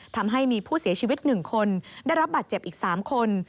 ทำให้มีผู้เสียชีวิต๑คนได้รับบาดเจ็บอีก๓คน